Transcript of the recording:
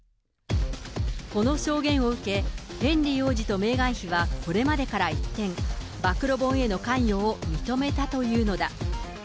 この証言を受け、ヘンリー王子とメーガン妃は、これまでから一転、暴露本への関与を認めたというのだ。